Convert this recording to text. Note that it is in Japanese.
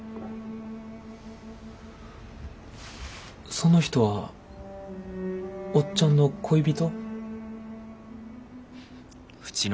その人はおっちゃんの恋人？